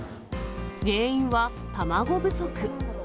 原因は、卵不足。